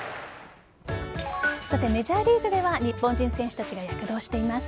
さて、メジャーリーグでは日本人選手たちが躍動しています。